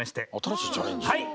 はい。